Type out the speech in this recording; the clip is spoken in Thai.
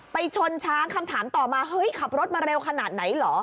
ชนช้างคำถามต่อมาเฮ้ยขับรถมาเร็วขนาดไหนเหรอ